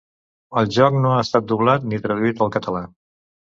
El joc no ha estat doblat ni traduït al català.